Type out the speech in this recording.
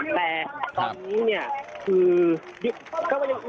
แต่ตอนนี้เนี่ยคือ